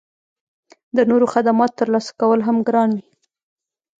د نورو خدماتو ترلاسه کول هم ګران وي